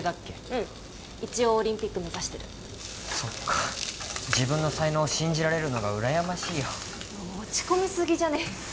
うん一応オリンピック目指してるそっか自分の才能を信じられるのが羨ましいよ落ち込みすぎじゃね？